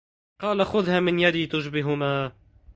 قال خذها من يدي تشبه ما